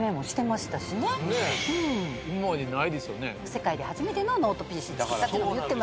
世界で初めてのノートＰＣ作ったってのも言ってました。